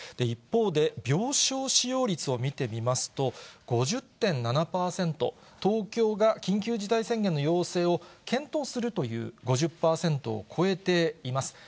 一方で、病床使用率を見てみますと、５０．７％、東京が緊急事態宣言の要請を検討するという５０％を超えています。